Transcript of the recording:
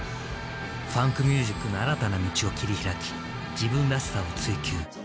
ファンクミュージックの新たな道を切り開き自分らしさを追求。